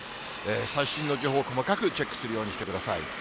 最新の情報、細かくチェックするようにしてください。